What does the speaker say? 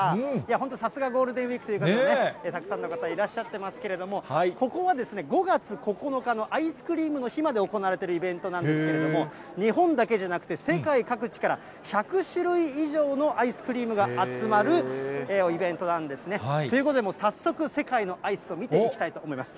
本当、さすがゴールデンウィークという感じで、たくさんの方、いらっしゃってますけれども、ここはですね、５月９日のアイスクリームの日まで行われているイベントなんですけれども、日本だけじゃなくて、世界各地から１００種類以上のアイスクリームが集まるイベントなんですね。ということでもう、早速、世界のアイスを見ていきたいと思います。